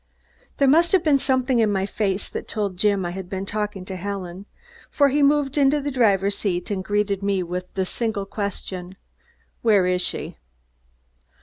There must have been something in my face that told Jim I had been talking to Helen, for he moved into the driver's seat and greeted me with the single question: "Where is she?"